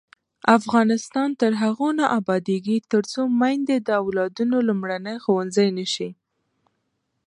افغانستان تر هغو نه ابادیږي، ترڅو میندې د اولادونو لومړنی ښوونځی نشي.